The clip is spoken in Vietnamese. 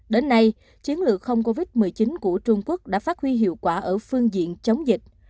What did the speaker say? đến nay chiến lược không covid một mươi chín của trung quốc đã phát huy hiệu quả ở phương diện chống dịch